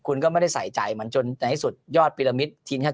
คุณก็ไม่ได้ใส่ใจมันจนในที่สุดยอดปิลมิตทีมชาติ